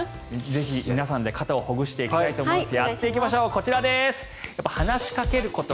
ぜひ皆さんで、肩をほぐしていきたいと思います。